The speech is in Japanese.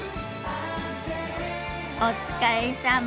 お疲れさま。